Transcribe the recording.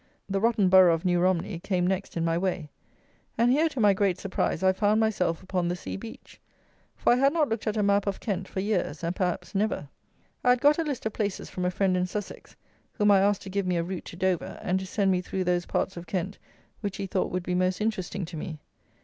The rotten borough of New Romney came next in my way; and here, to my great surprise, I found myself upon the sea beach; for I had not looked at a map of Kent for years, and, perhaps, never. I had got a list of places from a friend in Sussex, whom I asked to give me a route to Dover, and to send me through those parts of Kent which he thought would be most interesting to me.